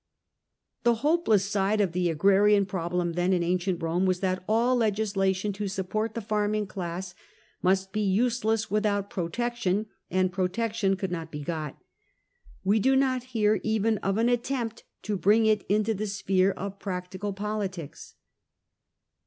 The hopeless side of the agrarian problem, then, in ancient Rome, was that all legislation to support the farming class must be useless without Protection, and Protection could not be got. We do not hear even of an attempt to bring it into the sphere of practical politics.